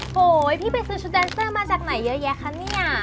โหยพี่ไปซื้อชุดแดนเซอร์มาจากไหนเยอะแยะคะเนี่ย